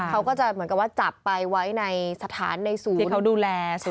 เค้าก็จะเหมือนกับว่าจับไปไว้ในสถานที่เค้าดูแล